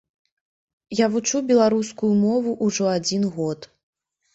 Я вучу беларускую мову ўжо адзін год.